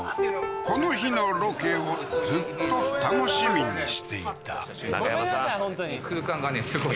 この日のロケをずっと楽しみにしていたごめんなさい